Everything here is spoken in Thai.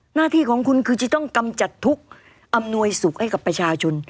หน้าที่ของคุณคือจะต้องกำจัดทุกข์อำนวยสุขให้กับประชาชน